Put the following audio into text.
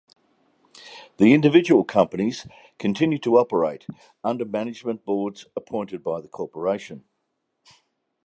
The individual companies continued to operate under management Boards appointed by the corporation.